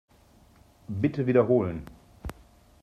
Bitte wiederholen.